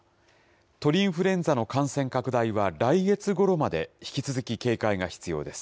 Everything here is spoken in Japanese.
鳥インフルエンザの感染拡大は、来月ごろまで引き続き警戒が必要です。